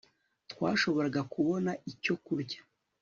Twashoboraga kubona icyo kurya